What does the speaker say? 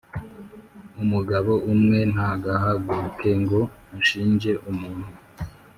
Umugabo umwe ntagahaguruke ngo ashinje umuntu